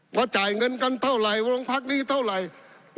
พอจ่ายเงินกันเท่าไหร่โรงพักนี้เท่าไหร่